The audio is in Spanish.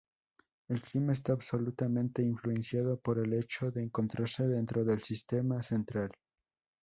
El clima está absolutamente influenciado por el hecho de encontrarse dentro del Sistema Central.